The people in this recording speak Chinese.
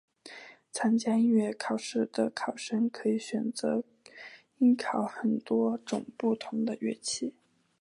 参加音乐考试的考生可以选择应考很多种不同的乐器。